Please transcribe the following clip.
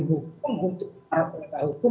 hukum untuk para penegak hukum